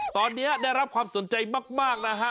ตอนนี้ได้รับความสนใจมากนะฮะ